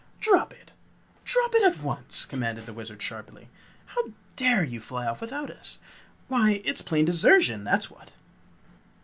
"Drop it! Drop it at once!" commanded the Wizard sharply. "How dare you fly off without us? Why it's plain desertion, that's what!"